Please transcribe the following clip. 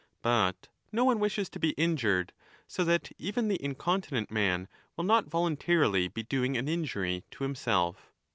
But no one wishes to be injured, so that even the incontinent man will not volun tarily be doing an injury to himself.